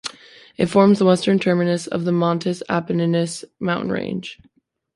It forms the western terminus of the Montes Apenninus mountain range.